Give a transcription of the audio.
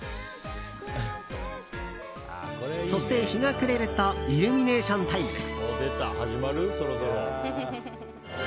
そして日が暮れるとイルミネーションタイムです。